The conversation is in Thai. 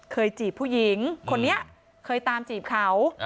จีบผู้หญิงคนนี้เคยตามจีบเขา